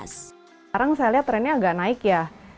sekarang saya lihat trennya agak naik ya